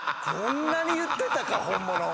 こんなに言ってたか本物。